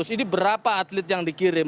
ini berapa atlet yang dikirim